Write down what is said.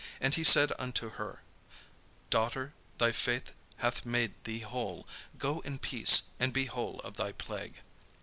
And he said unto her: "Daughter, thy faith hath made thee whole; go in peace, and be whole of thy plague."